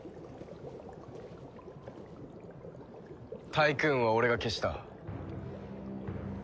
タイクーンは俺が消した。